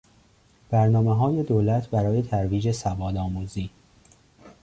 برنامه های دولت برای ترویج سواد آموزی